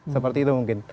seperti itu mungkin